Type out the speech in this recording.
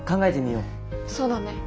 そうだね。